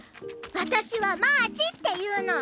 わたしはマーチっていうの！